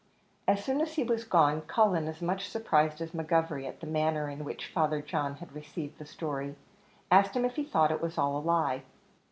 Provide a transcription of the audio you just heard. As soon as he was gone, Cullen, as much surprised as McGovery at the manner in which Father John had received the story, asked him if he thought it was all a lie.